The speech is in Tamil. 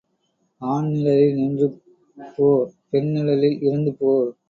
ஆண் நிழலில் நின்று போ பெண் நிழலில் இருந்து போ.